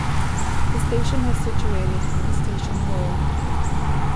The station was situated on Station Road.